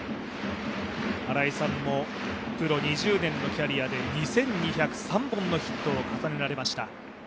新井さんもプロ２０年のキャリアで２２０３本のヒットを重ねられました。